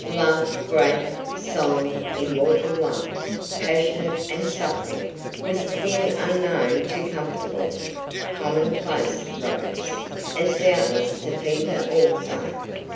Love great, solemn, immortal Love, passionate and suffering was a thing unknown to comfortable, commonplace Rose, as doubtless to Peter also.